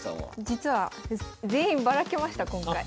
実は全員ばらけました今回。